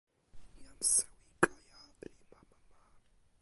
jan sewi Kaja li mama ma.